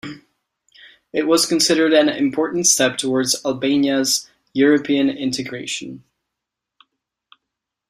It was considered an important step towards Albania's European integration.